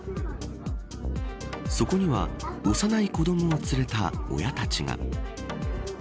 そこには幼い子どもを連れた親たちが。